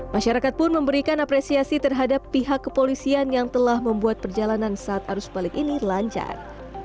masyarakat pun memberikan apresiasi terhadap pihak kepolisian yang telah membuat perjalanan saat arus balik ini lancar